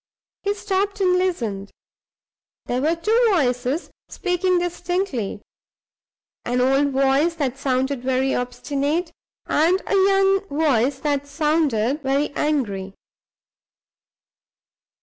He stopped and listened. There were two voices speaking distinctly an old voice that sounded very obstinate, and a young voice that sounded very angry.